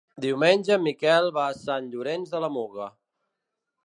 Diumenge en Miquel va a Sant Llorenç de la Muga.